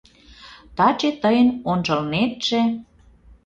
Таче тыйын ончылнетше